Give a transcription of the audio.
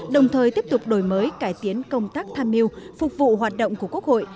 đồng thời tiếp tục đổi mới cải tiến công tác tham mưu phục vụ hoạt động của quốc hội